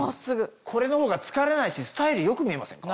これのほうが疲れないしスタイル良く見えませんか？